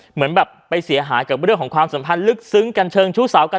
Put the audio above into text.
เหมือนแบบไปเสียหายกับเรื่องของความสัมพันธ์ลึกซึ้งกันเชิงชู้สาวกัน